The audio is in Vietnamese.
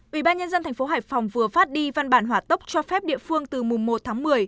ủy ban nhân dân tp hải phòng vừa phát đi văn bản hỏa tốc cho phép địa phương từ mùng một tháng một mươi